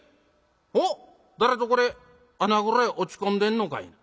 おっ誰ぞこれ穴蔵へ落ち込んでんのかいな。